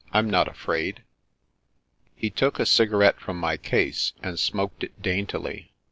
Fm not afraid." He took a cigarette from my case, and smoked it daintily.